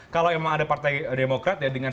kalau emang ada partai demokrat dengan